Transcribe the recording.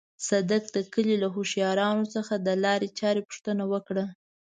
صدک د کلي له هوښيارانو څخه د لارې چارې پوښتنه وکړه.